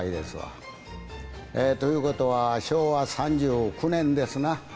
ということは昭和３９年ですな。